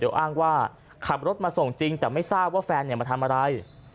อ้างว่าขับรถมาส่งจริงแต่ไม่ทราบว่าแฟนมาทำอะไร